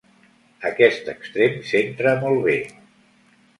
Aquest extrem centra molt bé.